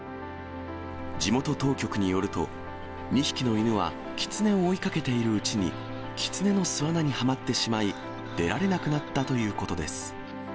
地元当局によると、２匹の犬はキツネを追いかけているうちに、キツネの巣穴にはまってしまい、出られなくなったということです。